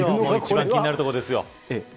一番、気になるところですよ。